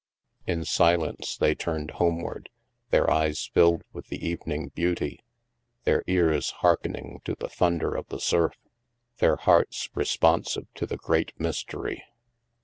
" In silence they turned homeward, their eyes filled with the evening beauty, their ears hearkening to the thunder of the surf, their hearts responsive to the great mystery.